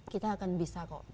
kita akan bisa kok